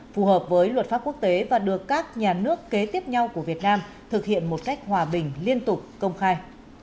phù hợp với luật pháp quốc tế và được các nhà nước kế tiếp nhau của việt nam thực hiện một cách hòa bình liên tục công khai